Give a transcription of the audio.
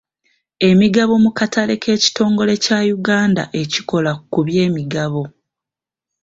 Emigabo mu katale k'ekitongole kya Yuganda ekikola ku by'emigabo.